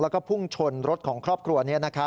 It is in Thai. แล้วก็พุ่งชนรถของครอบครัวนี้